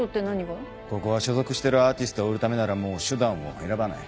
ここは所属してるアーティストを売るためならもう手段を選ばない。